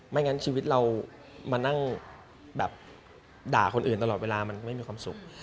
งั้นชีวิตเรามานั่งแบบด่าคนอื่นตลอดเวลามันไม่มีความสุข